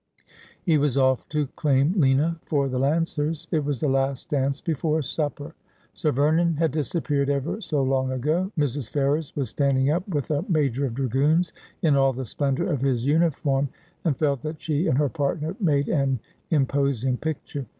He was o£E to claim Lina for the Lancers. It was the last dance before supper. Sir Vernon had disappeared ever so long ago. Mrs. Ferrers was standing up with a major of dragoons, in all the splendour of his uniform, and felt that she and her partner made an imposing picture.